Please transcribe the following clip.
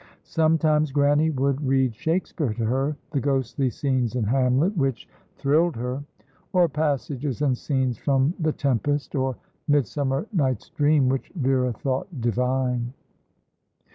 Sometimes Grannie would read Shakespeare to her, the ghostly scenes in Hamlet, which thrilled her, or passages and scenes from the Tempest, or Midsummer Night's Dream, which Vera thought divine.